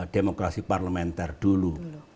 demokrasi parlementer dulu